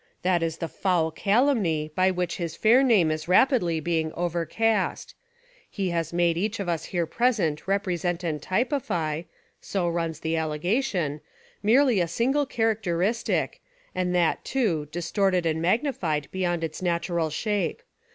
That is the foul calumny by which his fair name is rapidly being overcast. He has made each 211 Essays and Literary Studies of us here present represent and typify (so runs the allegation) merely a single charac teristic, and that, too, distorted and magnified beyond Its natural shape.